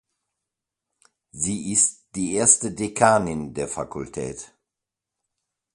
Sie ist die erste Dekanin der Fakultät.